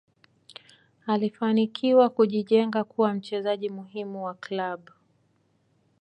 alifanikiwa kujijenga kuwa mchezaji muhimu wa klabu